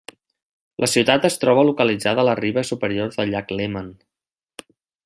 La ciutat es troba localitzada a la riba superior del llac Léman.